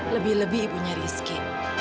lebih lebih ibunya rizky